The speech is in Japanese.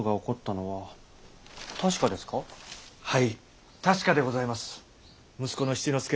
はい。